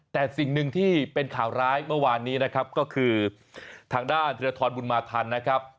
แต่สิ่งหนึ่งที่เป็นข่าวร้ายเมื่อวานนี้นะครับก็คือทางด้านธิรทรบุญมาทันนะครับ